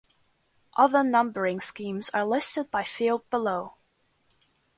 Other numbering schemes are listed by field below.